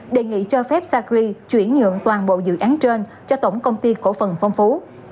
đề nghị cho phép sacri chuyển nhượng toàn bộ dự án trên cho tổng công ty cổ phần phong phú